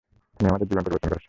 তুমি আমাদের জীবন পরিবর্তন করেছো।